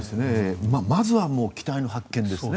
まずは機体の発見ですね。